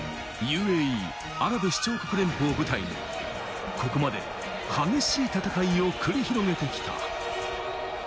ＵＡＥ＝アラブ首長国連邦を舞台に、ここまで激しい戦いを繰り広げてきた。